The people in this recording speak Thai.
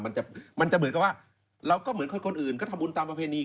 มันจะมันจะเหมือนกับว่าเราก็เหมือนคนอื่นก็ทำบุญตามประเพณี